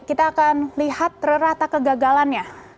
kita akan lihat rata kegagalannya